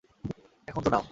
এখন তো নাও।